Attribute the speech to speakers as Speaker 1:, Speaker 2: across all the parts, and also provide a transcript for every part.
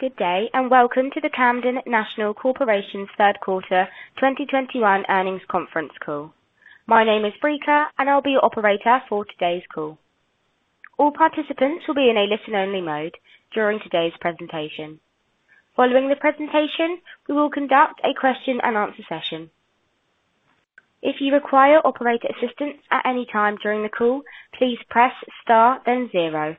Speaker 1: Good day, and welcome to the Camden National Corporation's Third Quarter 2021 Earnings Conference Call. My name is Brica, and I'll be your operator for today's call. All participants will be in a listen-only mode during today's presentation. Following the presentation, we will conduct a question-and-answer session. If you require operator assistance at any time during the call, please press star, then zero.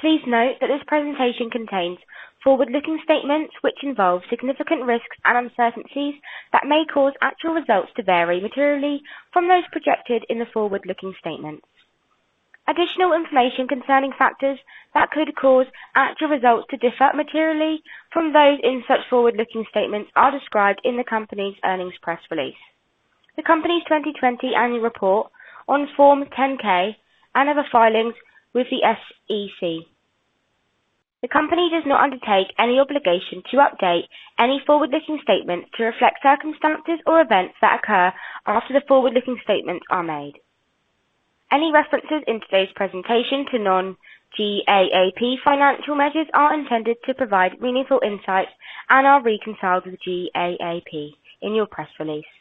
Speaker 1: Please note that this presentation contains forward-looking statements which involve significant risks and uncertainties that may cause actual results to vary materially from those projected in the forward-looking statements. Additional information concerning factors that could cause actual results to differ materially from those in such forward-looking statements are described in the company's earnings press release, the company's 2020 annual report on Form 10-K, and other filings with the SEC. The company does not undertake any obligation to update any forward-looking statement to reflect circumstances or events that occur after the forward-looking statements are made. Any references in today's presentation to non-GAAP financial measures are intended to provide meaningful insights and are reconciled to GAAP in your press release.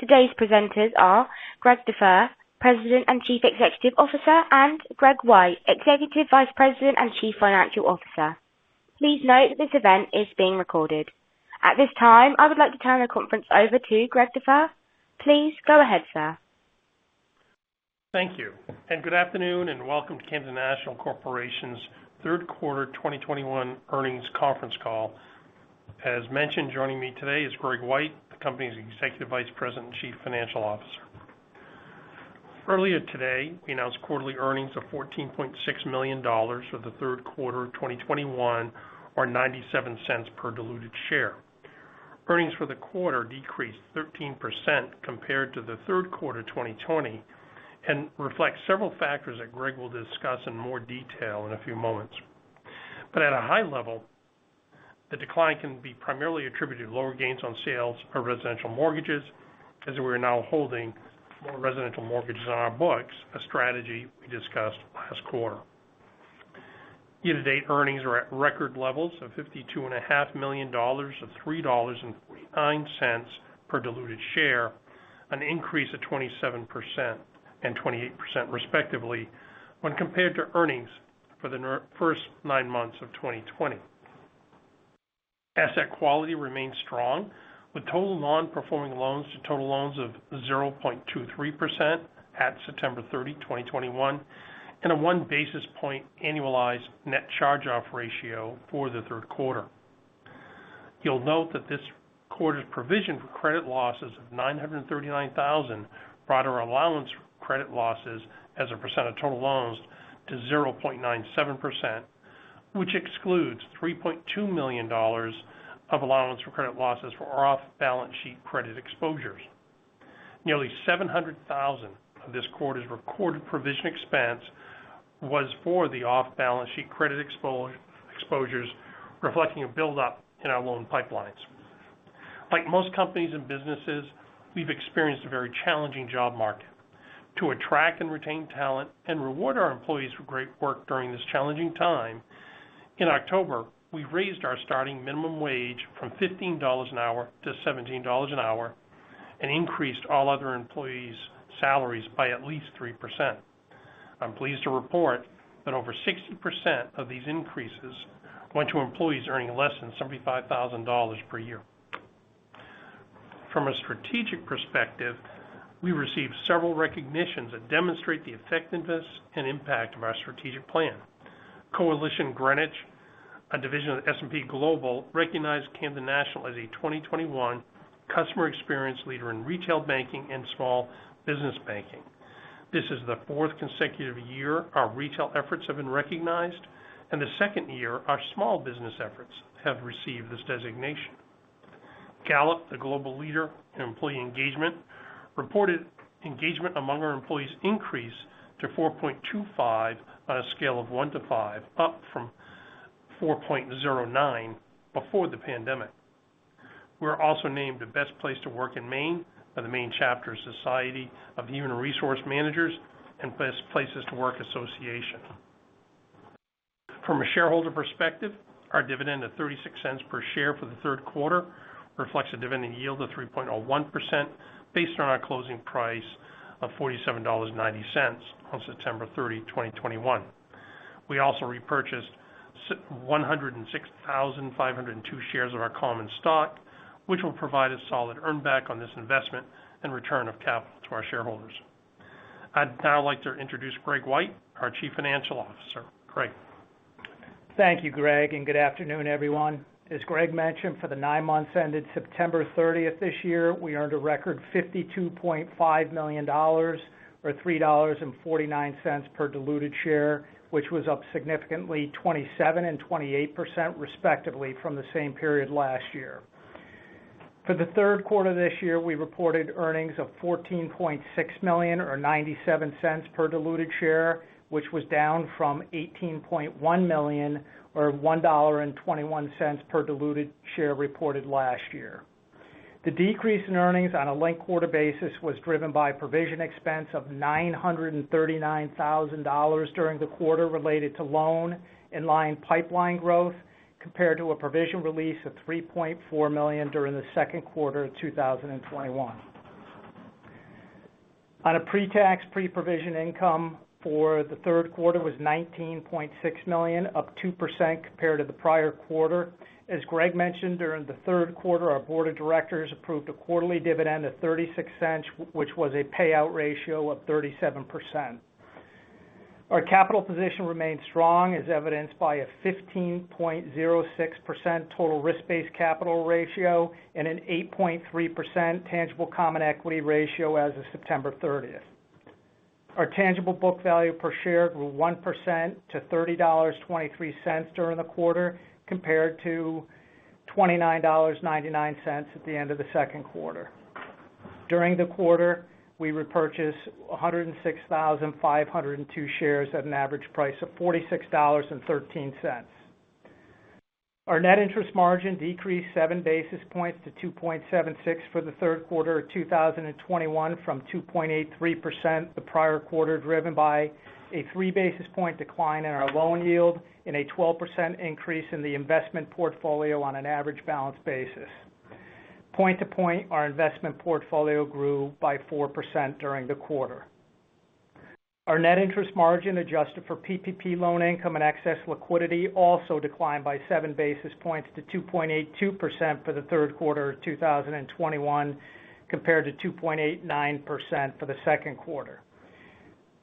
Speaker 1: Today's presenters are Greg Dufour, President and Chief Executive Officer, and Greg White, Executive Vice President and Chief Financial Officer. Please note that this event is being recorded. At this time, I would like to turn the conference over to Greg Dufour. Please go ahead, sir.
Speaker 2: Thank you. Good afternoon, and welcome to Camden National Corporation's third quarter 2021 earnings conference call. As mentioned, joining me today is Greg White, the company's Executive Vice President and Chief Financial Officer. Earlier today, we announced quarterly earnings of $14.6 million for the third quarter of 2021 or $0.97 per diluted share. Earnings for the quarter decreased 15% compared to the third quarter 2020 and reflects several factors that Greg will discuss in more detail in a few moments. At a high level, the decline can be primarily attributed to lower gains on sales of residential mortgages as we're now holding more residential mortgages on our books, a strategy we discussed last quarter. Year-to-date earnings are at record levels of $52.5 million, or $3.49 per diluted share, an increase of 27% and 28% respectively when compared to earnings for the first nine months of 2020. Asset quality remains strong, with total non-performing loans to total loans of 0.23% at September 30, 2021, and a 1 basis point annualized net charge-off ratio for the third quarter. You'll note that this quarter's provision for credit losses of $939,000 brought our allowance for credit losses as a percent of total loans to 0.97%, which excludes $3.2 million of allowance for credit losses for off-balance sheet credit exposures. Nearly $700,000 of this quarter's recorded provision expense was for the off-balance sheet credit exposures, reflecting a build-up in our loan pipelines. Like most companies and businesses, we've experienced a very challenging job market. To attract and retain talent and reward our employees for great work during this challenging time, in October, we raised our starting minimum wage from $15 an hour to $17 an hour and increased all other employees' salaries by at least 3%. I'm pleased to report that over 60% of these increases went to employees earning less than $75,000 per year. From a strategic perspective, we received several recognitions that demonstrate the effectiveness and impact of our strategic plan. Coalition Greenwich, a division of S&P Global, recognized Camden National as a 2021 Customer Experience Leader in retail banking and small business banking. This is the fourth consecutive year our retail efforts have been recognized and the second year our small business efforts have received this designation. Gallup, the global leader in employee engagement, reported engagement among our employees increased to 4.25 on a scale of 1 to 5, up from 4.09 before the pandemic. We're also named the best place to work in Maine by the Maine Chapter Society of Human Resource Managers and Best Places to Work Association. From a shareholder perspective, our dividend of $0.36 per share for the third quarter reflects a dividend yield of 3.1% based on our closing price of $47.90 on September 30, 2021. We also repurchased 106,502 shares of our common stock, which will provide a solid earn back on this investment and return of capital to our shareholders. I'd now like to introduce Greg White, our Chief Financial Officer. Greg.
Speaker 3: Thank you, Greg, and good afternoon, everyone. As Greg mentioned, for the nine months ended September 30 this year, we earned a record $52.5 million or $3.49 per diluted share, which was up significantly 27% and 28% respectively from the same period last year. For the third quarter this year, we reported earnings of $14.6 million or $0.97 per diluted share, which was down from $18.1 million or $1.21 per diluted share reported last year. The decrease in earnings on a linked quarter basis was driven by provision expense of $939,000 during the quarter related to loan pipeline growth, compared to a provision release of $3.4 million during the second quarter of 2021. Our pre-tax, pre-provision income for the third quarter was $19.6 million, up 2% compared to the prior quarter. As Greg mentioned, during the third quarter, our board of directors approved a quarterly dividend of $0.36, which was a payout ratio of 37%. Our capital position remains strong, as evidenced by a 15.06% total risk-based capital ratio and an 8.3% tangible common equity ratio as of September 30th. Our tangible book value per share grew 1% to $30.23 during the quarter, compared to $29.99 at the end of the second quarter. During the quarter, we repurchased 106,502 shares at an average price of $46.13. Our net interest margin decreased 7 basis points to 2.76% for Q3 2021 from 2.83% in the prior quarter, driven by a 3 basis point decline in our loan yield and a 12% increase in the investment portfolio on an average balance basis. Point to point, our investment portfolio grew by 4% during the quarter. Our net interest margin adjusted for PPP loan income and excess liquidity also declined by 7 basis points to 2.82% for Q3 2021 compared to 2.89% for the second quarter.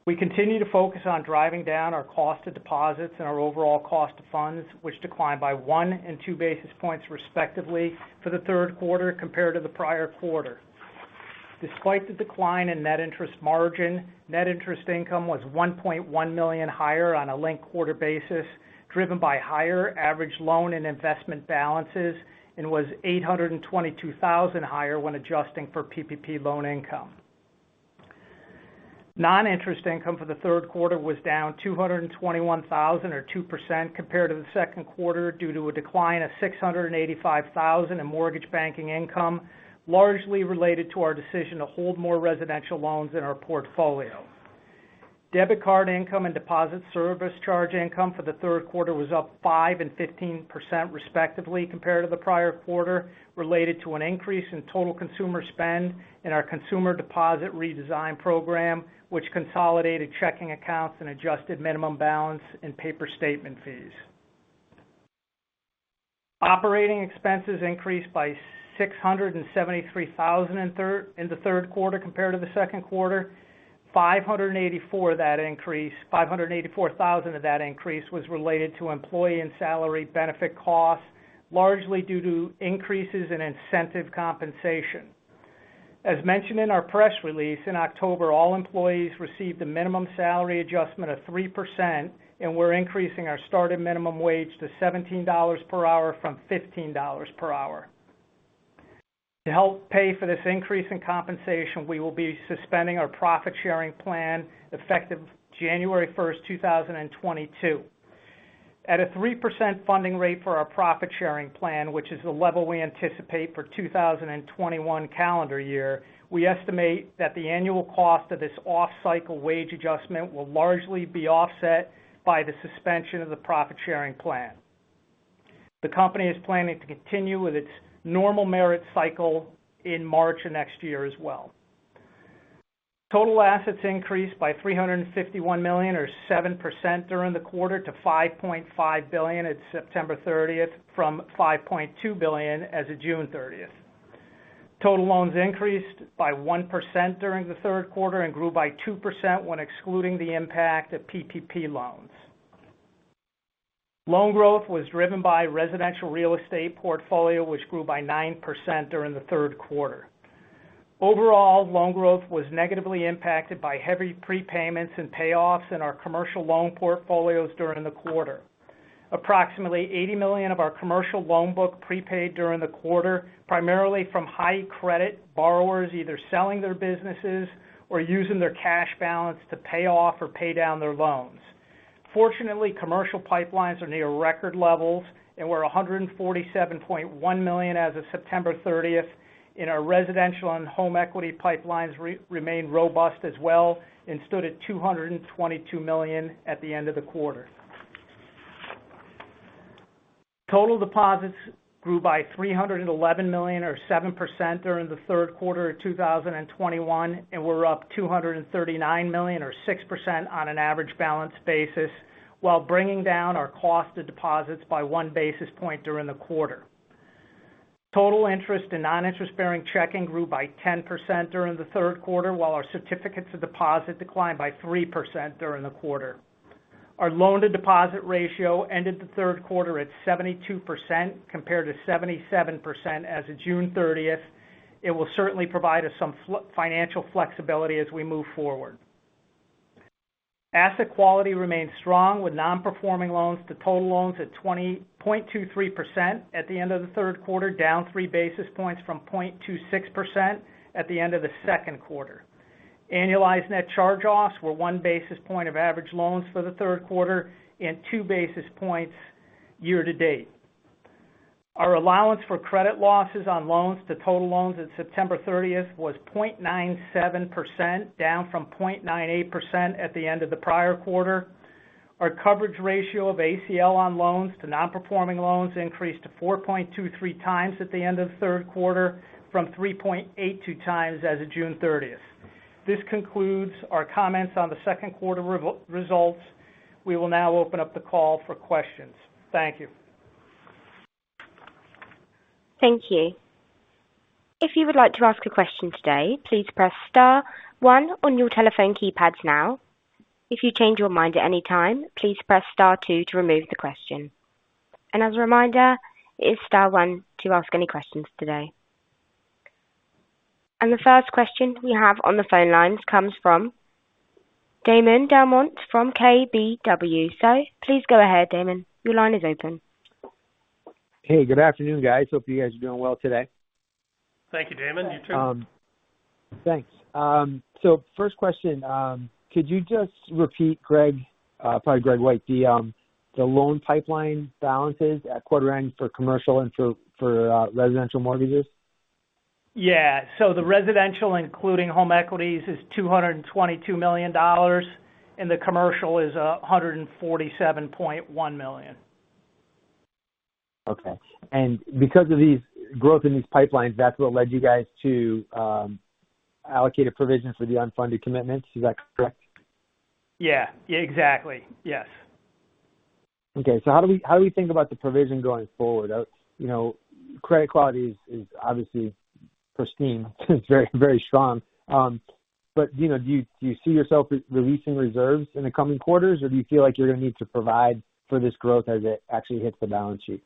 Speaker 3: We continue to focus on driving down our cost of deposits and our overall cost of funds, which declined by 1 and 2 basis points respectively for the third quarter compared to the prior quarter. Despite the decline in net interest margin, net interest income was $1.1 million higher on a linked-quarter basis, driven by higher average loan and investment balances, and was $822,000 higher when adjusting for PPP loan income. Non-interest income for the third quarter was down $221,000 or 2% compared to the second quarter due to a decline of $685,000 in mortgage banking income, largely related to our decision to hold more residential loans in our portfolio. Debit card income and deposit service charge income for the third quarter was up 5% and 15% respectively compared to the prior quarter related to an increase in total consumer spend in our consumer deposit redesign program, which consolidated checking accounts and adjusted minimum balance and paper statement fees. Operating expenses increased by $673,000 in the third quarter compared to the second quarter. $584,000 of that increase was related to employee and salary benefit costs, largely due to increases in incentive compensation. As mentioned in our press release, in October, all employees received a minimum salary adjustment of 3%, and we're increasing our starting minimum wage to $17 per hour from $15 per hour. To help pay for this increase in compensation, we will be suspending our profit sharing plan effective January 1st, 2022. At a 3% funding rate for our profit sharing plan, which is the level we anticipate for 2021 calendar year, we estimate that the annual cost of this off-cycle wage adjustment will largely be offset by the suspension of the profit sharing plan. The company is planning to continue with its normal merit cycle in March of next year as well. Total assets increased by $351 million or 7% during the quarter to $5.5 billion at September 30th from $5.2 billion as of June 30th. Total loans increased by 1% during the third quarter and grew by 2% when excluding the impact of PPP loans. Loan growth was driven by residential real estate portfolio, which grew by 9% during the third quarter. Overall, loan growth was negatively impacted by heavy prepayments and payoffs in our commercial loan portfolios during the quarter. Approximately $80 million of our commercial loan book prepaid during the quarter, primarily from high credit borrowers either selling their businesses or using their cash balance to pay off or pay down their loans. Fortunately, commercial pipelines are near record levels, and we're $147.1 million as of September 30th, and our residential and home equity pipelines remain robust as well and stood at $222 million at the end of the quarter. Total deposits grew by $311 million or 7% during the third quarter of 2021, and were up $239 million or 6% on an average balance basis while bringing down our cost of deposits by one basis point during the quarter. Total interest and non-interest bearing checking grew by 10% during the third quarter, while our certificates of deposit declined by 3% during the quarter. Our loan-to-deposit ratio ended the third quarter at 72%, compared to 77% as of June 30th. It will certainly provide us some financial flexibility as we move forward. Asset quality remains strong with non-performing loans to total loans at 0.23% at the end of the third quarter, down 3 basis points from 0.26% at the end of the second quarter. Annualized net charge-offs were 1 basis point of average loans for the third quarter and 2 basis points year to date. Our allowance for credit losses on loans to total loans at September 30th was 0.97%, down from 0.98% at the end of the prior quarter. Our coverage ratio of ACL on loans to non-performing loans increased to 4.23x at the end of the third quarter from 3.82x as of June 30th. This concludes our comments on the second quarter results. We will now open up the call for questions. Thank you.
Speaker 1: Thank you. If you would like to ask a question today, please press star one on your telephone keypads now. If you change your mind at any time, please press star two to remove the question. As a reminder, it is star one to ask any questions today. The first question we have on the phone lines comes from Damon DelMonte from KBW. Please go ahead, Damon. Your line is open.
Speaker 4: Hey, good afternoon, guys. Hope you guys are doing well today.
Speaker 3: Thank you, Damon. You too.
Speaker 4: Thanks. First question, could you just repeat, Greg, probably Greg White, the loan pipeline balances at quarter end for commercial and residential mortgages?
Speaker 3: Yeah. The residential, including home equities, is $222 million, and the commercial is $147.1 million.
Speaker 4: Okay. Because of these growth in these pipelines, that's what led you guys to allocate a provision for the unfunded commitments. Is that correct?
Speaker 3: Yeah. Yeah, exactly. Yes.
Speaker 4: Okay. How do we think about the provision going forward? You know, credit quality is obviously pristine, very, very strong. But, you know, do you see yourself releasing reserves in the coming quarters, or do you feel like you're gonna need to provide for this growth as it actually hits the balance sheet?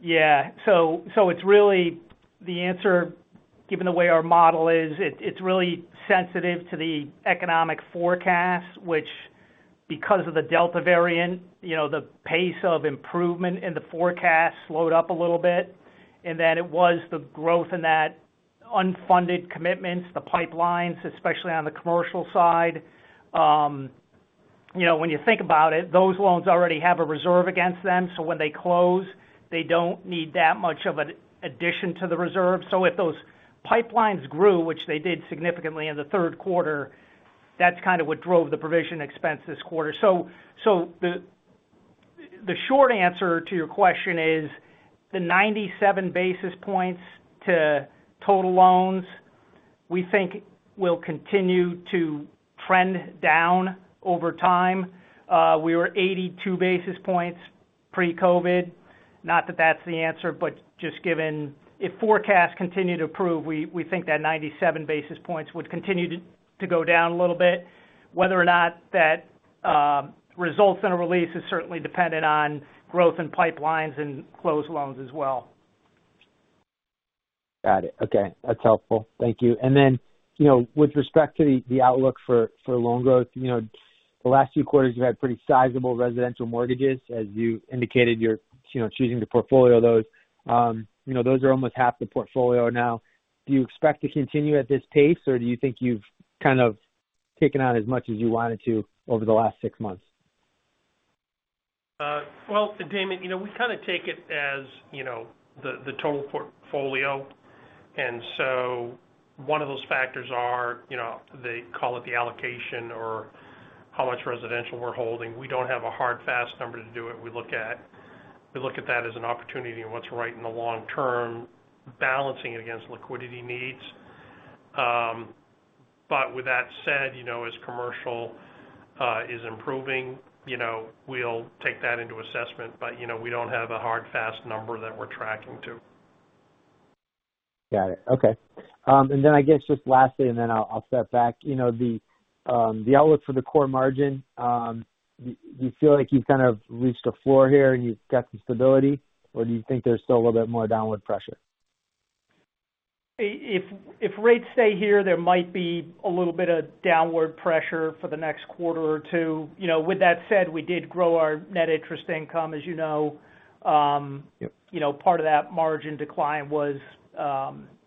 Speaker 3: It's really the answer, given the way our model is, it's really sensitive to the economic forecast, which because of the Delta variant, you know, the pace of improvement in the forecast slowed up a little bit, and that it was the growth in that unfunded commitments, the pipelines, especially on the commercial side. You know, when you think about it, those loans already have a reserve against them, so when they close, they don't need that much of an addition to the reserve. If those pipelines grew, which they did significantly in the third quarter, that's kind of what drove the provision expense this quarter. The short answer to your question is the 97 basis points to total loans, we think will continue to trend down over time. We were 82 basis points pre-COVID. Not that that's the answer, but just given if forecasts continue to improve, we think that 97 basis points would continue to go down a little bit. Whether or not that results in a release is certainly dependent on growth in pipelines and closed loans as well.
Speaker 4: Got it. Okay. That's helpful. Thank you. You know, with respect to the outlook for loan growth, you know, the last few quarters, you've had pretty sizable residential mortgages. As you indicated, you're, you know, choosing to portfolio those. You know, those are almost half the portfolio now. Do you expect to continue at this pace, or do you think you've kind of taken out as much as you wanted to over the last six months?
Speaker 3: Well, Damon, you know, we kind of take it as, you know, the total portfolio. One of those factors are, you know, they call it the allocation or how much residential we're holding. We don't have a hard, fast number to do it. We look at that as an opportunity and what's right in the long term, balancing against liquidity needs. With that said, you know, as commercial is improving, you know, we'll take that into assessment. You know, we don't have a hard, fast number that we're tracking to.
Speaker 4: Got it. Okay. I guess, just lastly, and then I'll step back. You know, the outlook for the core margin, do you feel like you've kind of reached a floor here and you've got some stability, or do you think there's still a little bit more downward pressure?
Speaker 3: If rates stay here, there might be a little bit of downward pressure for the next quarter or two. You know, with that said, we did grow our net interest income, as you know.
Speaker 4: Yep.
Speaker 3: You know, part of that margin decline was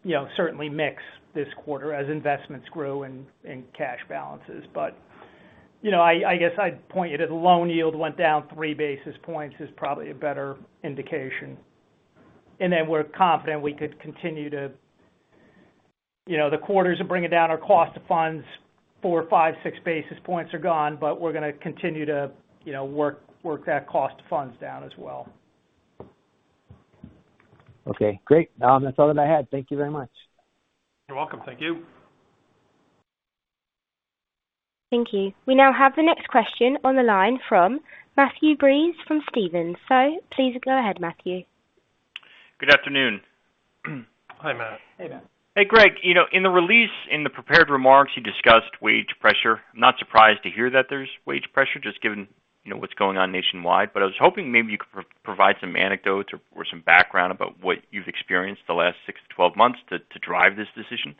Speaker 3: you know, certainly mix this quarter as investments grew and cash balances. You know, I guess I'd point out that the loan yield went down 3 basis points is probably a better indication. We're confident we could continue to. You know, the quarters are bringing down our cost of funds. 4, 5, 6 basis points are gone, but we're gonna continue to you know, work that cost of funds down as well.
Speaker 4: Okay, great. That's all that I had. Thank you very much.
Speaker 3: You're welcome. Thank you.
Speaker 1: Thank you. We now have the next question on the line from Matthew Breese from Stephens. Please go ahead, Matthew.
Speaker 5: Good afternoon.
Speaker 3: Hi, Matt.
Speaker 2: Hey, Matt.
Speaker 5: Hey, Greg. You know, in the release, in the prepared remarks, you discussed wage pressure. I'm not surprised to hear that there's wage pressure, just given, you know, what's going on nationwide. I was hoping maybe you could provide some anecdotes or some background about what you've experienced the last 6-12 months to drive this decision.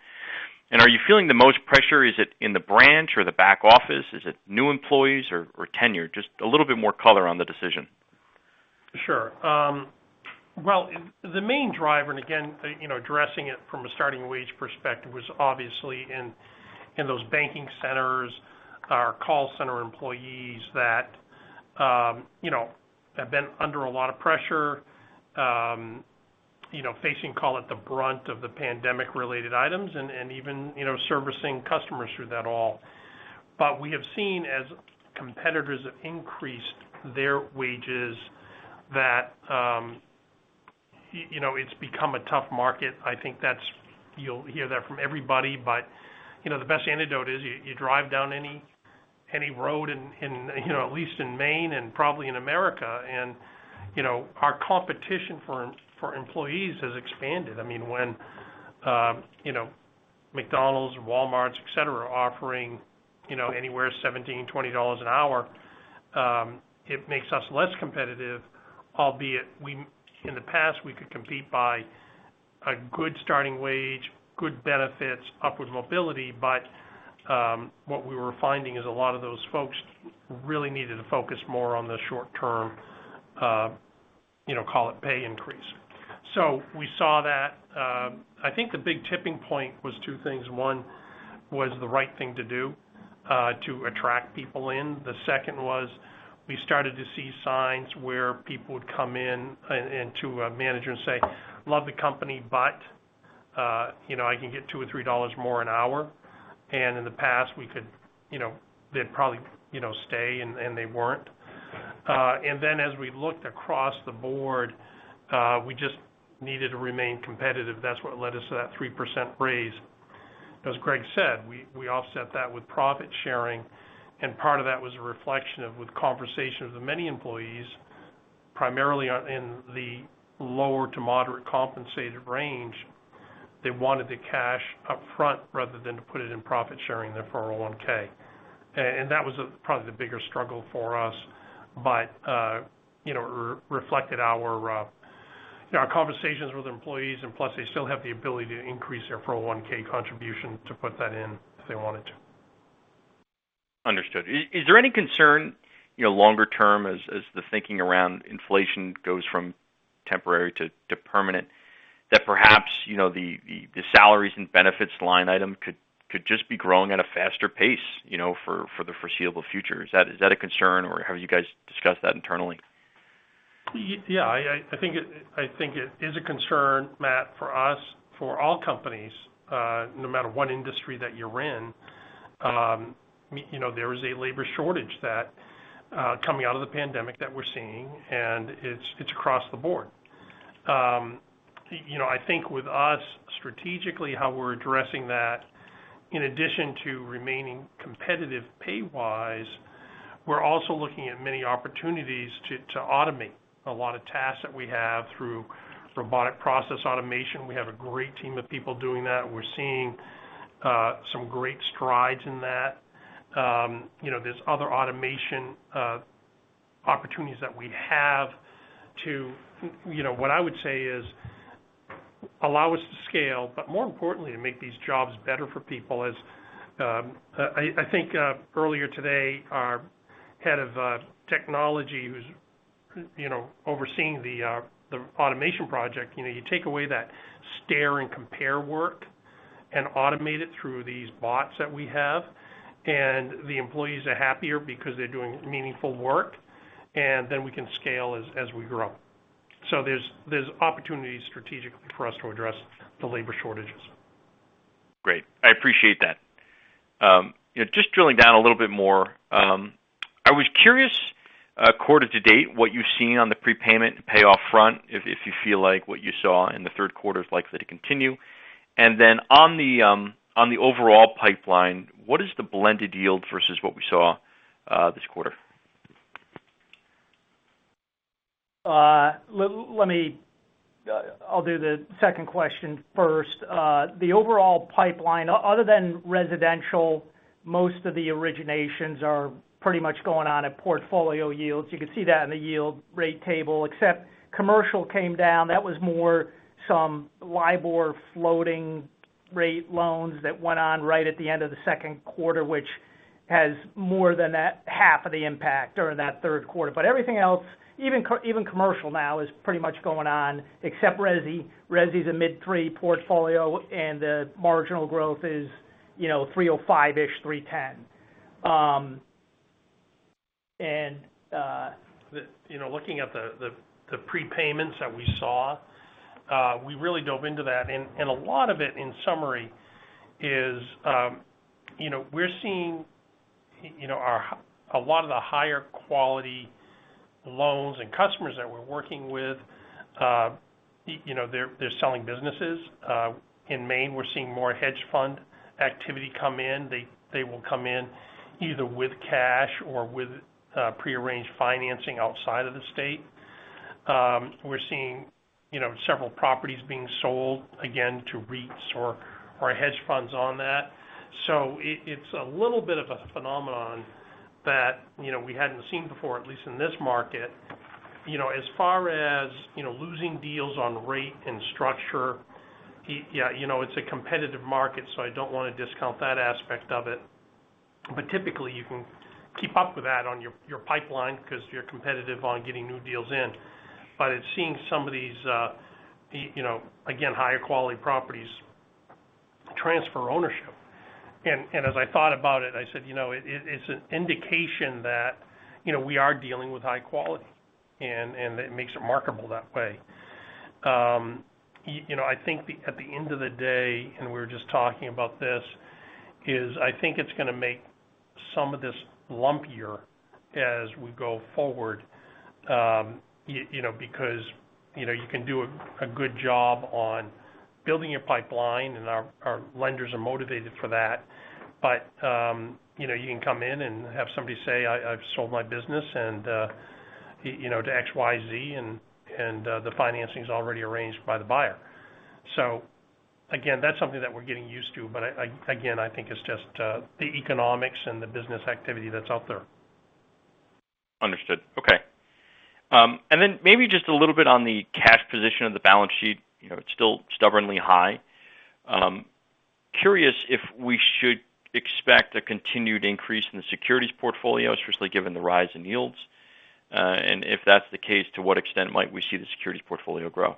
Speaker 5: Are you feeling the most pressure? Is it in the branch or the back office? Is it new employees or tenure? Just a little bit more color on the decision.
Speaker 2: Sure. Well, the main driver, and again, you know, addressing it from a starting wage perspective was obviously in those banking centers and call center employees that, you know, have been under a lot of pressure, you know, facing, call it, the brunt of the pandemic-related items and even, you know, servicing customers through it all. We have seen as competitors have increased their wages that, you know, it's become a tough market. I think that's. You'll hear that from everybody. You know, the best antidote is you drive down any road in, you know, at least in Maine and probably in America, and, you know, our competition for employees has expanded. I mean, when you know, McDonald's, Walmart, et cetera, are offering, you know, anywhere $17-$20 an hour, it makes us less competitive, albeit in the past, we could compete by a good starting wage, good benefits, upward mobility. What we were finding is a lot of those folks really needed to focus more on the short term, you know, call it pay increase. We saw that. I think the big tipping point was two things. One was the right thing to do to attract people in. The second was we started to see signs where people would come in and to a manager and say, "Love the company, but, you know, I can get $2 or $3 more an hour." In the past, we could, you know, they'd probably, you know, stay, and they weren't. As we looked across the board, we just needed to remain competitive. That's what led us to that 3% raise. As Greg said, we offset that with profit sharing, and part of that was a reflection of conversations with many employees, primarily in the lower to moderate compensated range. They wanted the cash upfront rather than to put it in profit sharing, their 401(k). That was probably the bigger struggle for us, but you know reflected our you know our conversations with employees, and plus they still have the ability to increase their 401(k) contribution to put that in if they wanted to.
Speaker 5: Understood. Is there any concern, you know, longer term as the thinking around inflation goes from temporary to permanent, that perhaps, you know, the salaries and benefits line item could just be growing at a faster pace, you know, for the foreseeable future? Is that a concern, or have you guys discussed that internally?
Speaker 2: Yeah. I think it is a concern, Matt, for us, for all companies, no matter what industry that you're in. You know, there is a labor shortage that's coming out of the pandemic that we're seeing, and it's across the board. You know, I think with us strategically, how we're addressing that, in addition to remaining competitive pay-wise, we're also looking at many opportunities to automate a lot of tasks that we have through robotic process automation. We have a great team of people doing that. We're seeing some great strides in that. You know, there's other automation opportunities that we have to, you know, what I would say is allow us to scale, but more importantly, to make these jobs better for people as I think earlier today, our head of technology who's you know overseeing the automation project, you know you take away that stare and compare work and automate it through these bots that we have, and the employees are happier because they're doing meaningful work, and then we can scale as we grow. There's opportunities strategically for us to address the labor shortages.
Speaker 5: Great. I appreciate that. You know, just drilling down a little bit more, I was curious, quarter to date, what you've seen on the prepayment and payoff front, if you feel like what you saw in the third quarter is likely to continue. On the overall pipeline, what is the blended yield versus what we saw, this quarter?
Speaker 3: Let me... I'll do the second question first. The overall pipeline, other than residential, most of the originations are pretty much going on at portfolio yields. You could see that in the yield rate table, except commercial came down. That was more some LIBOR floating rate loans that went on right at the end of the second quarter, which had more than half of the impact during that third quarter. Everything else, even commercial now is pretty much going on, except resi. Resi is a mid-3% portfolio, and the marginal growth is, you know, 3.05%-ish-3.10%.
Speaker 2: Looking at the prepayments that we saw, we really dove into that. A lot of it, in summary, is you know, we're seeing you know, a lot of the higher quality loans and customers that we're working with, you know, they're selling businesses. In Maine, we're seeing more hedge fund activity come in. They will come in either with cash or with prearranged financing outside of the state. We're seeing you know, several properties being sold, again, to REITs or hedge funds on that. It's a little bit of a phenomenon that you know, we hadn't seen before, at least in this market. You know, as far as, you know, losing deals on rate and structure, yeah, you know, it's a competitive market, so I don't wanna discount that aspect of it. Typically you can keep up with that on your pipeline because you're competitive on getting new deals in. It's seeing some of these, you know, again, higher quality properties transfer ownership. As I thought about it, I said, you know, it's an indication that, you know, we are dealing with high quality and it makes it marketable that way. You know, I think at the end of the day and we were just talking about this is I think it's gonna make some of this lumpier as we go forward, you know, because you know, you can do a good job on building your pipeline, and our lenders are motivated for that. You know, you can come in and have somebody say, I've sold my business and you know to XYZ and the financing's already arranged by the buyer. Again, that's something that we're getting used to, but again, I think it's just the economics and the business activity that's out there.
Speaker 5: Understood. Okay. Maybe just a little bit on the cash position of the balance sheet, you know, it's still stubbornly high. Curious if we should expect a continued increase in the securities portfolio, especially given the rise in yields. If that's the case, to what extent might we see the securities portfolio grow?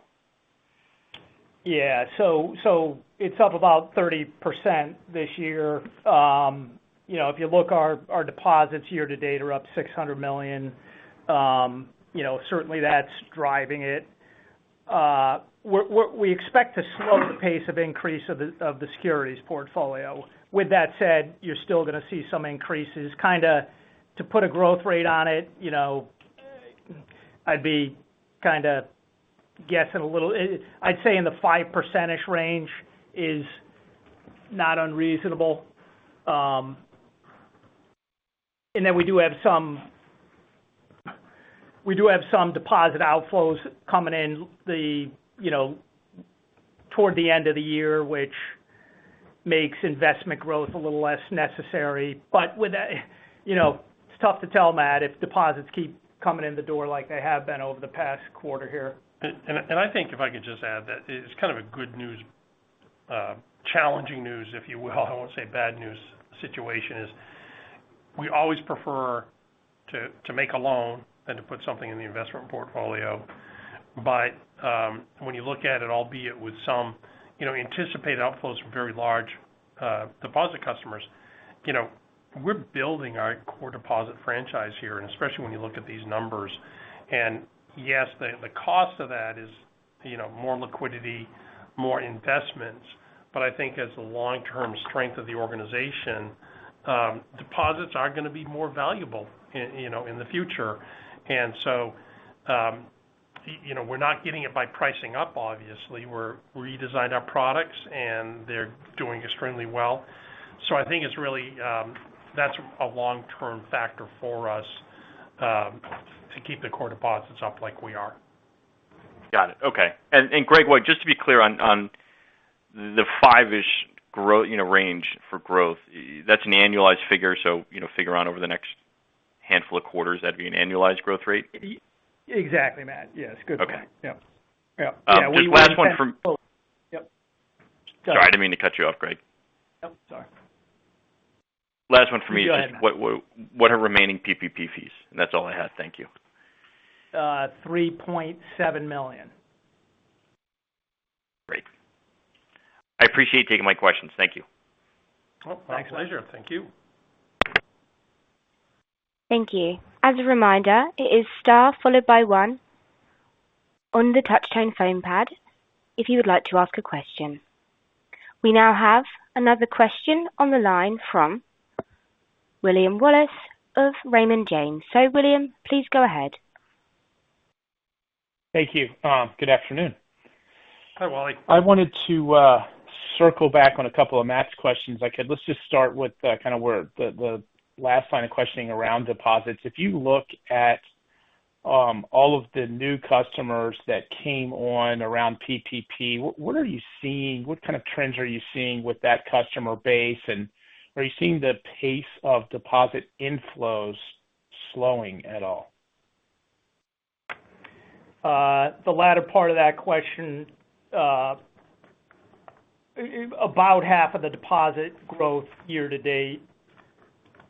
Speaker 3: Yeah. It's up about 30% this year. You know, if you look, our deposits year to date are up $600 million. You know, certainly that's driving it. We expect to slow the pace of increase of the securities portfolio. With that said, you're still gonna see some increases. Kinda to put a growth rate on it, you know, I'd be kinda guessing a little. I'd say in the 5%-ish range is not unreasonable. Then we do have some deposit outflows coming in, you know, toward the end of the year, which makes investment growth a little less necessary. With that, you know, it's tough to tell, Matt, if deposits keep coming in the door like they have been over the past quarter here.
Speaker 2: I think if I could just add that it's kind of a good news, challenging news, if you will. I won't say bad news situation is we always prefer to make a loan than to put something in the investment portfolio. When you look at it, albeit with some, you know, anticipated outflows from very large, deposit customers. You know, we're building our core deposit franchise here, and especially when you look at these numbers. Yes, the cost of that is, you know, more liquidity, more investments. I think as the long-term strength of the organization, deposits are gonna be more valuable in, you know, in the future. You know, we're not getting it by pricing up, obviously. We've redesigned our products, and they're doing extremely well. I think it's really that's a long-term factor for us to keep the core deposits up like we are.
Speaker 5: Got it. Okay. Greg, just to be clear on the 5%-ish growth, you know, range for growth, that's an annualized figure. So, you know, figure out over the next handful of quarters, that'd be an annualized growth rate.
Speaker 3: Yeah, exactly, Matt. Yes. Good point.
Speaker 5: Okay.
Speaker 3: Yeah. Yeah.
Speaker 5: Just one from
Speaker 3: Yeah.
Speaker 5: Sorry, I didn't mean to cut you off, Greg.
Speaker 3: Oh, sorry.
Speaker 5: Last one for me.
Speaker 3: Go ahead, Matt.
Speaker 5: Just what are remaining PPP fees? That's all I had. Thank you.
Speaker 3: $3.7 million.
Speaker 5: Great. I appreciate you taking my questions. Thank you.
Speaker 3: Oh, my pleasure. Thank you.
Speaker 1: Thank you. As a reminder, it is star followed by one on the touch-tone phone pad if you would like to ask a question. We now have another question on the line from William Wallace of Raymond James. William, please go ahead.
Speaker 6: Thank you. Good afternoon.
Speaker 2: Hi, Wally.
Speaker 6: I wanted to circle back on a couple of Matt's questions. Let's just start with kinda where the last line of questioning around deposits. If you look at all of the new customers that came on around PPP, what are you seeing? What kind of trends are you seeing with that customer base? And are you seeing the pace of deposit inflows slowing at all?
Speaker 3: The latter part of that question, about half of the deposit growth year to date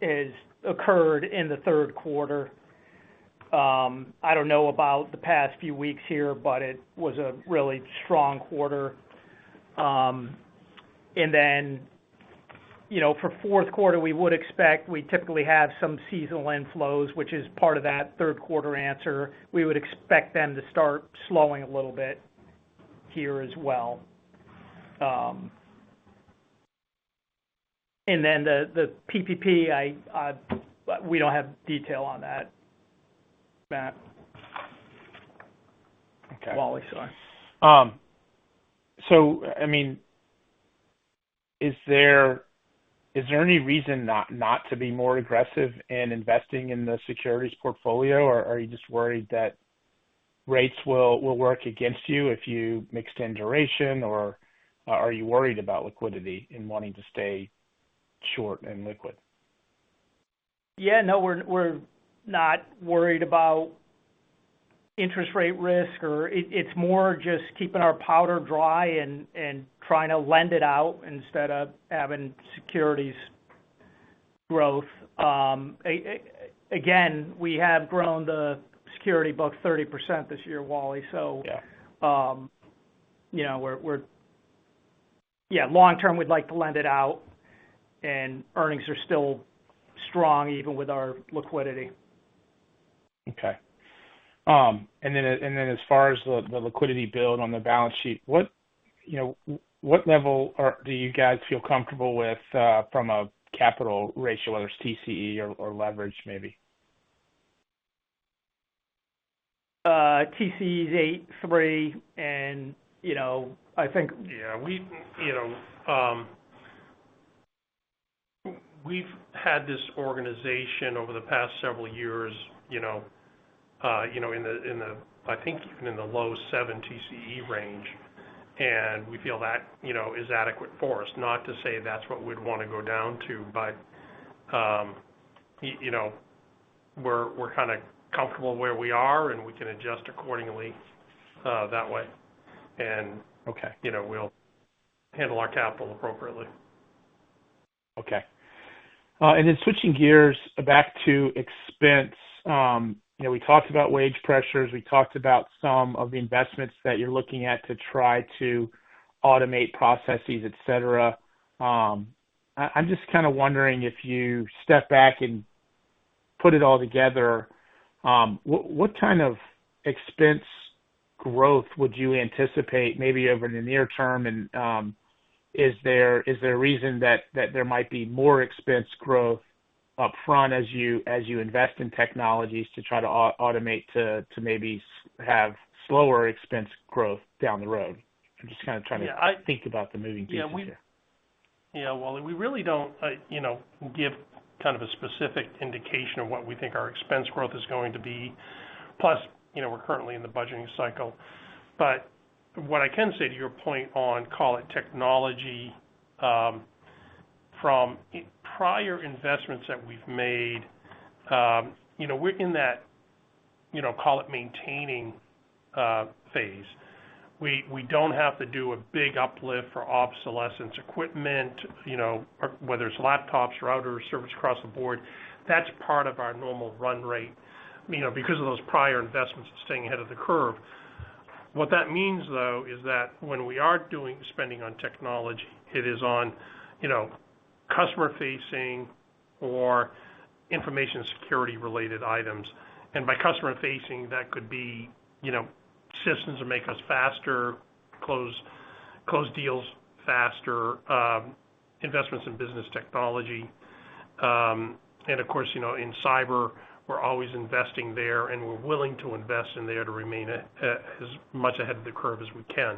Speaker 3: has occurred in the third quarter. I don't know about the past few weeks here, but it was a really strong quarter. You know, for fourth quarter, we would expect we typically have some seasonal inflows, which is part of that third quarter answer. We would expect them to start slowing a little bit here as well. The PPP, we don't have detail on that, Matt.
Speaker 6: Okay.
Speaker 3: Wally, sorry.
Speaker 6: I mean, is there any reason not to be more aggressive in investing in the securities portfolio, or are you just worried that rates will work against you if you extend duration? Or, are you worried about liquidity and wanting to stay short and liquid?
Speaker 3: Yeah. No, we're not worried about Interest rate risk, it's more just keeping our powder dry and trying to lend it out instead of having securities growth. Again, we have grown the security book 30% this year, Wally. Yeah. So, you know, we're yeah, long term, we'd like to lend it out, and earnings are still strong even with our liquidity.
Speaker 6: Okay. As far as the liquidity build on the balance sheet, what level do you guys feel comfortable with from a capital ratio or TCE or leverage maybe?
Speaker 2: TCE is 8.3, and you know, I think yeah. We've had this organization over the past several years, you know, I think even in the low 7 TCE range, and we feel that is adequate for us. Not to say that's what we'd wanna go down to, but you know, we're kinda comfortable where we are, and we can adjust accordingly that way.
Speaker 6: Okay.
Speaker 2: You know, we'll handle our capital appropriately.
Speaker 6: Okay. Switching gears back to expense. You know, we talked about wage pressures. We talked about some of the investments that you're looking at to try to automate processes, et cetera. I'm just kind of wondering if you step back and put it all together, what kind of expense growth would you anticipate maybe over the near term? Is there a reason that there might be more expense growth upfront as you invest in technologies to try to automate to maybe have slower expense growth down the road? I'm just kind of trying to think about the moving pieces here.
Speaker 2: Yeah, Wally, we really don't give kind of a specific indication of what we think our expense growth is going to be. Plus, you know, we're currently in the budgeting cycle. But what I can say to your point on, call it technology, from prior investments that we've made, you know, we're in that, you know, call it maintaining phase. We don't have to do a big uplift for obsolete equipment, you know, or whether it's laptops, routers, servers across the board. That's part of our normal run rate, you know, because of those prior investments and staying ahead of the curve. What that means, though, is that when we are doing spending on technology, it is on, you know, customer facing or information security related items. By customer facing, that could be, you know, systems that make us faster, close deals faster, investments in business technology. Of course, you know, in cyber, we're always investing there, and we're willing to invest in there to remain as much ahead of the curve as we can.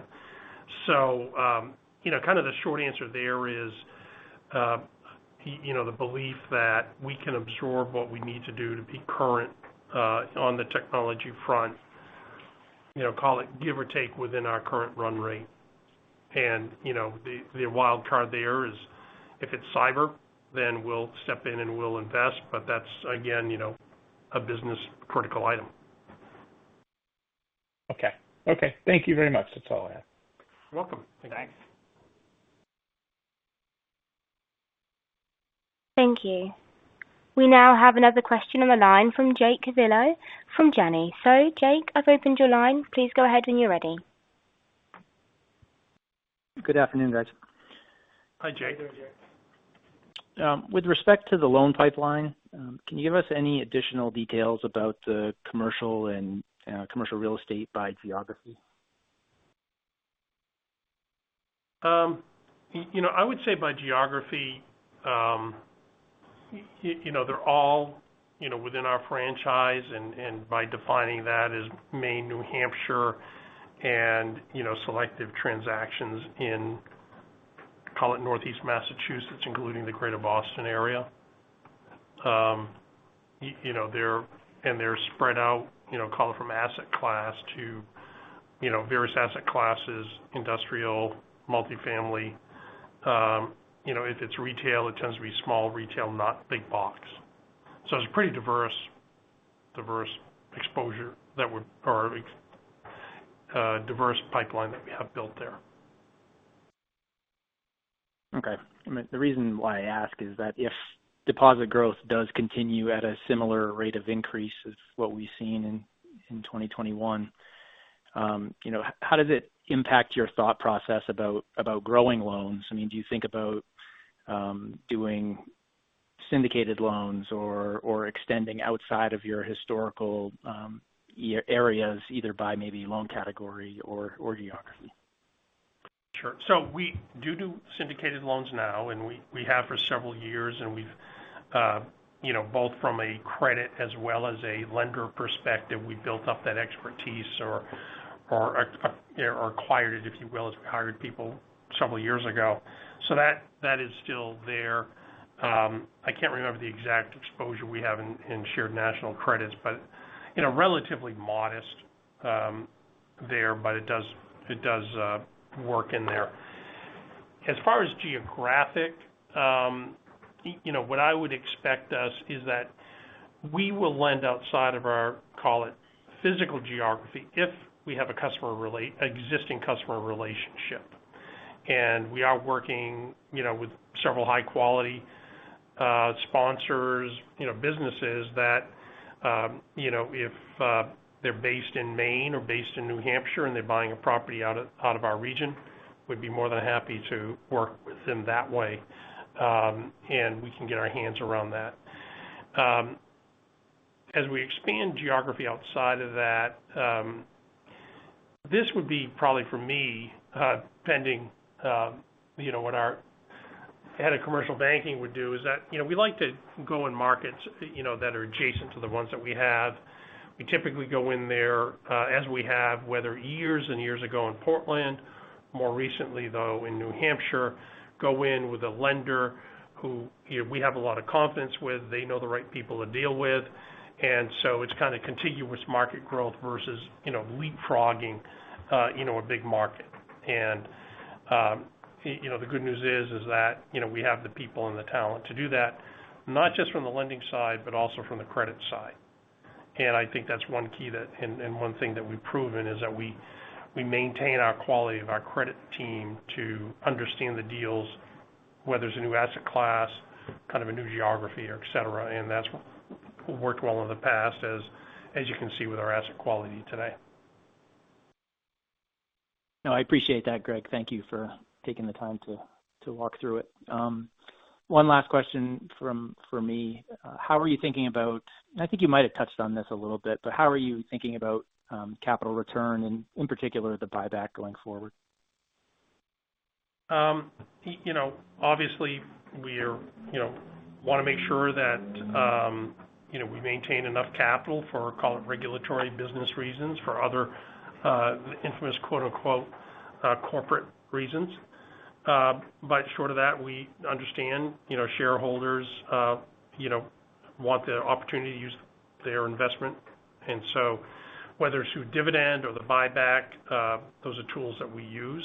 Speaker 2: You know, kind of the short answer there is, you know, the belief that we can absorb what we need to do to be current, on the technology front, you know, call it give or take within our current run rate. You know, the wild card there is if it's cyber, then we'll step in and we'll invest, but that's again, you know, a business critical item.
Speaker 6: Okay. Okay. Thank you very much. That's all I have.
Speaker 2: You're welcome.
Speaker 6: Thanks.
Speaker 1: Thank you. We now have another question on the line from Jake Civiello from Janney. Jake, I've opened your line. Please go ahead when you're ready.
Speaker 7: Good afternoon, guys.
Speaker 2: Hi, Jake. Good afternoon, Jake.
Speaker 7: With respect to the loan pipeline, can you give us any additional details about the commercial and commercial real estate by geography?
Speaker 2: You know, I would say by geography, you know, they're all, you know, within our franchise and by defining that as Maine, New Hampshire and, you know, selective transactions in, call it Northeast Massachusetts, including the Greater Boston area. You know, they're spread out, you know, call it from asset class to, you know, various asset classes, industrial, multifamily. You know, if it's retail, it tends to be small retail, not big box. It's a pretty diverse pipeline that we have built there.
Speaker 7: Okay. I mean, the reason why I ask is that if deposit growth does continue at a similar rate of increase as what we've seen in 2021, you know, how does it impact your thought process about growing loans? I mean, do you think about doing syndicated loans or extending outside of your historical areas, either by maybe loan category or geography?
Speaker 2: Sure. We do syndicated loans now, and we have for several years, and we've, you know, both from a credit as well as a lender perspective, we built up that expertise or acquired it, if you will, as we hired people several years ago. That is still there. I can't remember the exact exposure we have in shared national credits, but it's relatively modest there, but it does work in there. As far as geography, you know, what I would expect is that we will lend outside of our, call it physical geography if we have an existing customer relationship. We are working, you know, with several high quality sponsors, you know, businesses that, you know, if they're based in Maine or based in New Hampshire and they're buying a property out of our region, we'd be more than happy to work with them that way, and we can get our hands around that. As we expand geography outside of that, this would be probably for me, pending, you know, what our head of commercial banking would do is that, you know, we like to go in markets, you know, that are adjacent to the ones that we have. We typically go in there as we have whether years and years ago in Portland, more recently, though, in New Hampshire, go in with a lender who we have a lot of confidence with. They know the right people to deal with. It's kind of contiguous market growth versus, you know, leapfrogging, you know, a big market. You know, the good news is that, you know, we have the people and the talent to do that, not just from the lending side, but also from the credit side. I think that's one key that and one thing that we've proven is that we maintain our quality of our credit team to understand the deals, whether it's a new asset class, kind of a new geography, et cetera. That's worked well in the past, as you can see with our asset quality today.
Speaker 7: No, I appreciate that, Greg. Thank you for taking the time to walk through it. One last question from me. How are you thinking about and I think you might have touched on this a little bit, but how are you thinking about capital return and in particular, the buyback going forward?
Speaker 2: You know, obviously we're, you know, want to make sure that, you know, we maintain enough capital for, call it regulatory business reasons for other, infamous quote-unquote, corporate reasons. Short of that, we understand, you know, shareholders, you know, want the opportunity to use their investment. Whether it's through dividend or the buyback, those are tools that we use.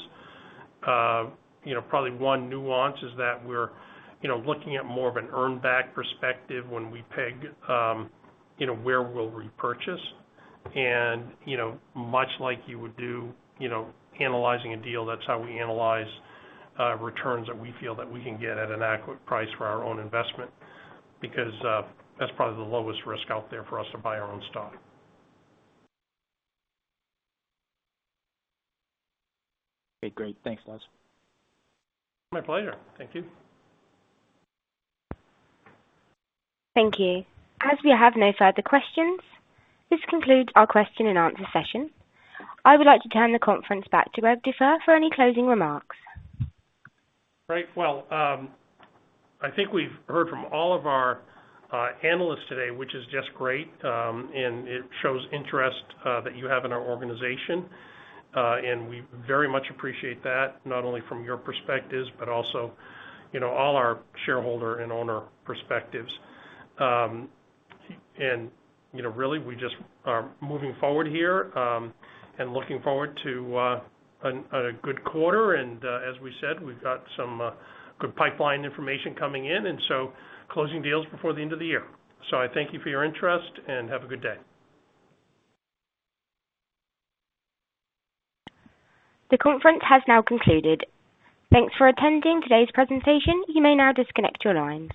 Speaker 2: You know, probably one nuance is that we're, you know, looking at more of an earn back perspective when we peg, you know, where we'll repurchase. You know, much like you would do, you know, analyzing a deal, that's how we analyze returns that we feel that we can get at an adequate price for our own investment, because that's probably the lowest risk out there for us to buy our own stock.
Speaker 7: Okay, great. Thanks, Greg.
Speaker 2: My pleasure. Thank you.
Speaker 1: Thank you. As we have no further questions, this concludes our question and answer session. I would like to turn the conference back to Greg Dufour for any closing remarks.
Speaker 2: Right. Well, I think we've heard from all of our analysts today, which is just great. It shows interest that you have in our organization. We very much appreciate that not only from your perspectives, but also, you know, all our shareholder and owner perspectives. You know, really we just are moving forward here, and looking forward to a good quarter. As we said, we've got some good pipeline information coming in, and so closing deals before the end of the year. I thank you for your interest, and have a good day.
Speaker 1: The conference has now concluded. Thanks for attending today's presentation. You may now disconnect your line.